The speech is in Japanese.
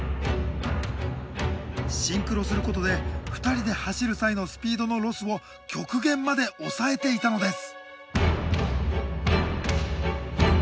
シンクロすることで２人で走る際のスピードのロスを極限まで抑えていたのです。